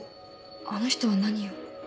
あの人は何を。